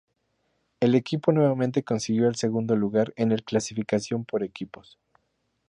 El equipo nuevamente consiguió el segundo lugar en el clasificación por equipos.